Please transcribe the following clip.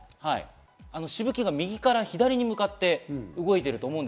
しぶきが右から左に向かって動いています。